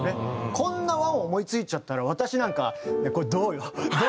こんな和音思い付いちゃったら私なんか「これどうよ？どう？」。